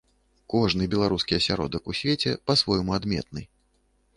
Кожны беларускі асяродак у свеце па-свойму адметны.